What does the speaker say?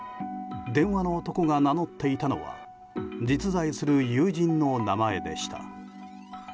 電話の男が名乗っていたのは実在する友人の名前でした。